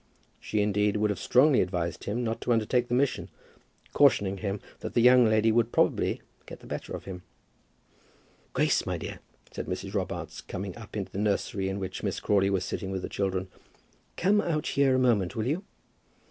She, indeed, would have strongly advised him not to undertake the mission, cautioning him that the young lady would probably get the better of him. "Grace, my dear," said Mrs. Robarts, coming up into the nursery in which Miss Crawley was sitting with the children, "come out here a moment, will you?"